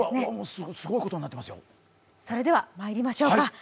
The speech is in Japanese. それではまいりましょうか。